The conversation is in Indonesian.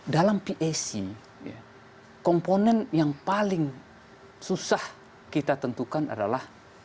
dalam pac komponen yang paling susah kita tentukan adalah